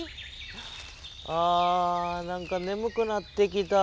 あ何かねむくなってきた。